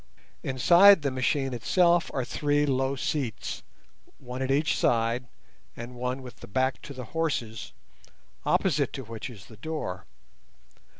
Inside the machine itself are three low seats, one at each side, and one with the back to the horses, opposite to which is the door.